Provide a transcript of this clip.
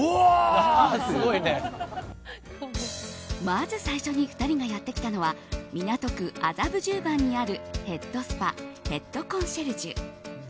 まず最初に２人がやってきたのは港区麻布十番にあるヘッドスパヘッドコンシェルジュ。